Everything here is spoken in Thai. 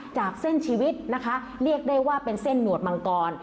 จากเส้นชีวิตนะคะเรียกได้ว่าเป็นเส้นหนวดมังกร